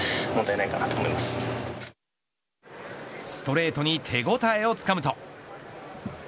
ストレートに手応えをつかむと。